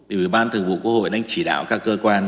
ủy ban thường vụ quốc hội đang chỉ đạo các cơ quan